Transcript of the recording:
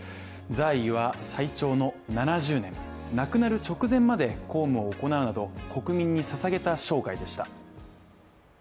在位は最長の７０年、亡くなる直前まで公務を行うなど国民にささげた生涯でした。